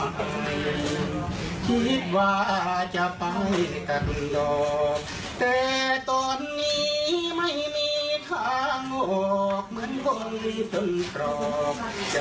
หรือว่าราคาที่ร้อยห่อยลงที่ต่ำท่วี้น้อย